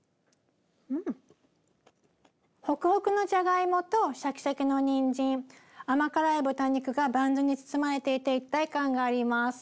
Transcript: ホクホクのじゃがいもとシャキシャキのにんじん甘辛い豚肉がバンズに包まれていて一体感があります。